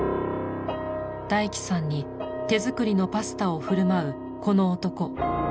ダイキさんに手作りのパスタを振る舞うこの男。